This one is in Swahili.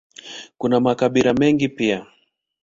Kuna makabila mengine pia.